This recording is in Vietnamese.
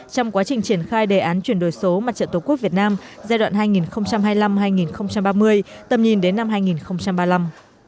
trong quá trình triển khai đề án chuyển đổi số mặt trận tổ quốc việt nam giai đoạn hai nghìn hai mươi năm hai nghìn ba mươi tầm nhìn đến năm hai nghìn ba mươi năm